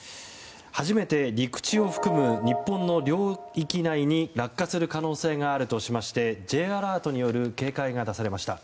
初めて陸地を含む日本の領域内に落下する可能性があるとしましてＪアラートによる警戒が出されました。